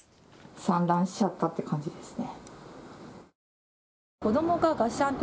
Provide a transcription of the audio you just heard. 散乱しちゃったという感じですね。